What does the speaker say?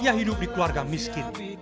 ia hidup di keluarga miskin